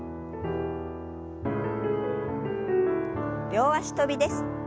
両脚跳びです。